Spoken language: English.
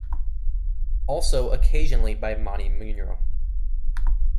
Also, occasionally by Monty Munro.